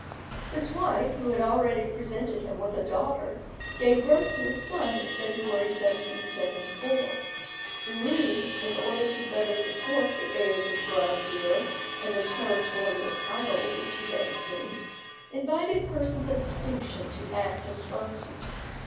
His wife, who had already presented him with a daughter, gave birth to a son in February 1774. Derues, in order to better support the airs of grandeur and the territorial title which he had assumed, invited persons of distinction to act as sponsors.